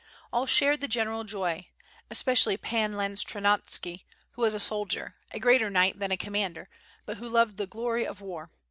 All shared the general joy, especially Pan Lantskoronski, who was a soldier, a greater knight than a commander, but who loved the glory of war.